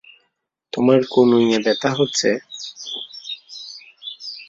তোমার কনুইয়ে ব্যথা হচ্ছে?